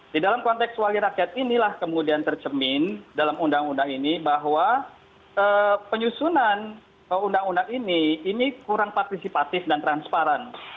di dalam konteks wali rakyat inilah kemudian tercemin dalam undang undang ini bahwa penyusunan undang undang ini ini kurang partisipatif dan transparan